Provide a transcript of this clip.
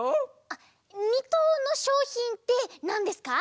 あっ２とうのしょうひんってなんですか？